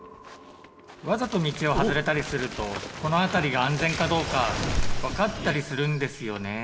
わざと道を外れたりするとこの辺りが安全かどうか分かったりするんですよねぇ。